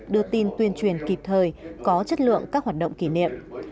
đưa tin tuyên truyền kịp thời có chất lượng các hoạt động kỷ niệm